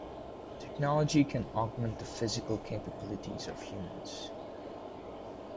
Technology can augment the physical capabilities of humans.